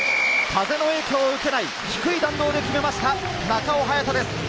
風の影響を受けない低い弾道で決めました中尾隼太です。